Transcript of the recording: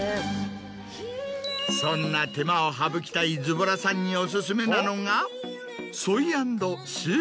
そんな手間を省きたいズボラさんにオススメなのが。